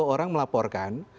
enam puluh orang melaporkan